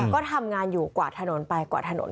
ก็ทำงานอยู่กวาดถนนไปกวาดถนน